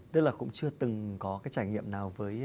tức là cũng chưa từng có trải nghiệm nào với truyền hình